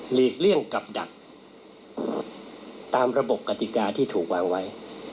ลีกเลี่ยงกับดักตามระบบกติกาที่ถูกวางไว้